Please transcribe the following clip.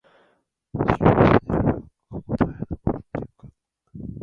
事業者による各戸へのポスティング